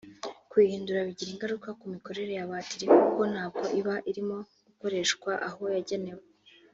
Kuyihindura bigira ingaruka ku mikorere ya batiri kuko ntabwo iba irimo gukoreshwa aho yagenewe